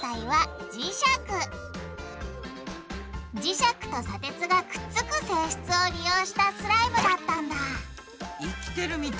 磁石と砂鉄がくっつく性質を利用したスライムだったんだ生きてるみたい。